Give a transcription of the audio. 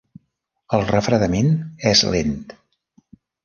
El refredament és lent.